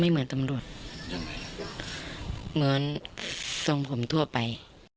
เหมือนส่องผมทั่วไป